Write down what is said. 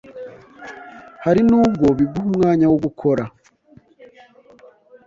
Hari nubwo biguha umwanya wo gukora